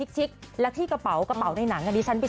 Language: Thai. กุลก็ว่างเหมือนกันนะ